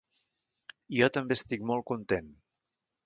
Jo també estic molt content.